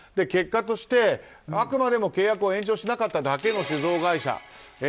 結果としてあくまでも契約を延長しなかっただけの酒造会社